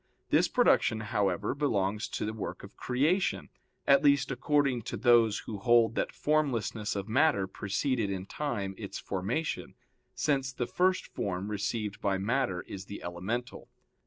This production, however, belongs to the work of creation, at least, according to those who hold that formlessness of matter preceded in time its formation, since the first form received by matter is the elemental.